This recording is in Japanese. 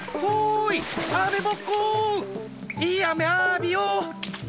いいあめあびよ！